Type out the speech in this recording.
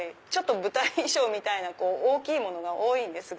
舞台衣装みたいな大きいものが多いんですが。